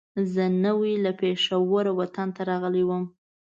زه نوی له پېښوره وطن ته راغلی وم.